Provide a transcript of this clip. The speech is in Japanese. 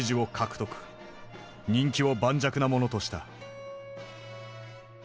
人気を盤石なものとした。